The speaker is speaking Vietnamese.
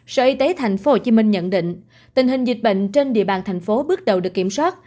sở y tế tp hcm nhận định tình hình dịch bệnh trên địa bàn thành phố bước đầu được kiểm soát